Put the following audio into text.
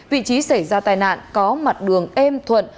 vị trí xảy ra tai nạn có mặt đường êm thuận